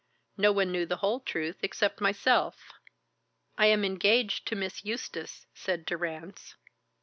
No one knew the whole truth except myself." "I am engaged to Miss Eustace," said Durrance.